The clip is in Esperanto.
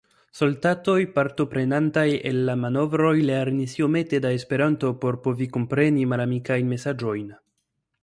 Soldatoj partoprenantaj en la manovroj lernis iomete da Esperanto por povi kompreni malamikajn mesaĝojn.